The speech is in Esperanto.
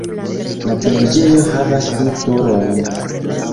La preĝejo havas du turojn.